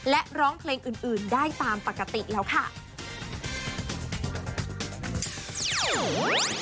และร้องเพลงอื่นได้ตามปกติแล้วค่ะ